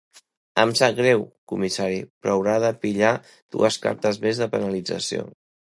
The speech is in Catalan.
Em sap greu, comissari, però haurà de pillar dues cartes més de penalització.